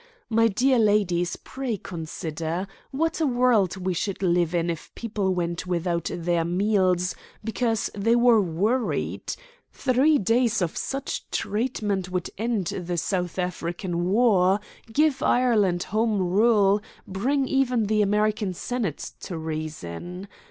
My dear ladies, pray consider. What a world we should live in if people went without their meals because they were worried. Three days of such treatment would end the South African War, give Ireland Home Rule, bring even the American Senate to reason.